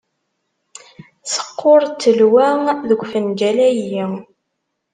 Teqqur ttelwa deg ufenǧal-ayi.